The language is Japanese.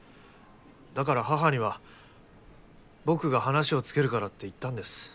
だから母には僕が話をつけるからって言ったんです。